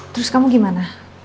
terus kamu gimana